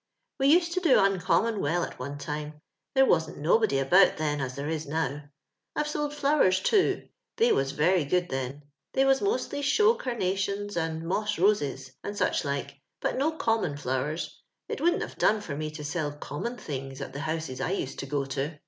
*' We used to do uncommon well at one time ; there wasn't nobody about then as tliere is now. I've sold flowers, too ; they was very good then ; they was mosUy show carnations and moss roses, and such like, but no common flowers — it wouldn't have done for me to sell common things at tho houses I used to goto.